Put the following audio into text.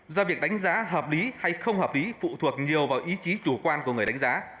do việc đánh giá hợp lý hay không hợp lý phụ thuộc nhiều vào ý chí chủ quan của người đánh giá